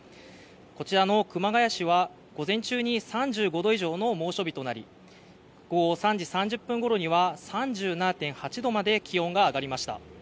こちらの熊谷市は午前中に３５度以上の猛暑日となり、午後３時３０分ごろには３７．８度まで気温が上がりました。